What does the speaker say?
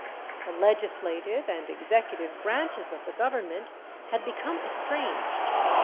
The legis lative and executive branches of the Government had become estranged.